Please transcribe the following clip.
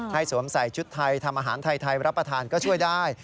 สวมใส่ชุดไทยทำอาหารไทยรับประทานก็ช่วยได้